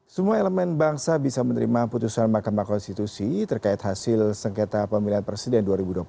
semua elemen bangsa bisa menerima putusan mahkamah konstitusi terkait hasil sengketa pemilihan presiden dua ribu dua puluh empat